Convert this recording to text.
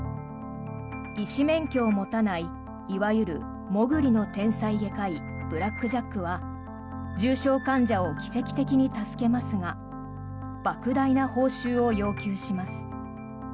医師免許を持たないいわゆる、もぐりの天才外科医ブラック・ジャックは重症患者を奇跡的に助けますがばく大な報酬を要求します。